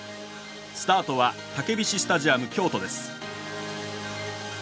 スタートはたけびしスタジアム京都です。